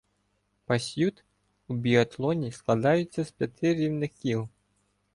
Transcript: Пасьют у біатлоні складається з п'яти рівних кіл.